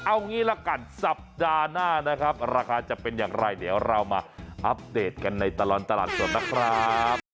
เอางี้ละกันสัปดาห์หน้านะครับราคาจะเป็นอย่างไรเดี๋ยวเรามาอัปเดตกันในตลอดตลาดสดนะครับ